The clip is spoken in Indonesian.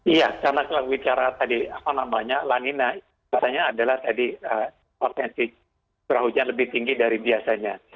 iya karena kalau bicara tadi apa namanya lanina biasanya adalah tadi potensi curah hujan lebih tinggi dari biasanya